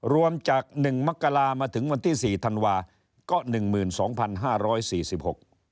รวมจาก๑มกลามาถึงวันที่๔ทันวาก็๑๒๕๔๐ศพ